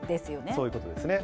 そういうことですね。